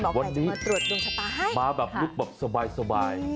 หมอกไก่จะมาตรวจดวงชะตาให้ค่ะมาแบบลูกแบบสบาย